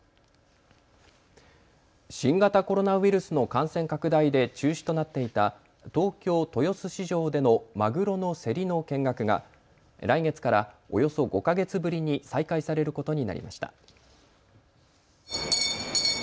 新型コロナウイルスの感染拡大で中止となっていた東京豊洲市場でのマグロの競りの見学が来月からおよそ５か月ぶりに再開されることになりました。